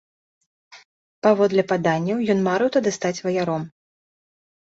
Паводле паданняў, ён марыў тады стаць ваяром.